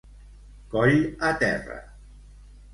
Coll a terra.